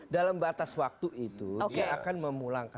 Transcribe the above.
dalam batas waktu itu dia akan memulangkan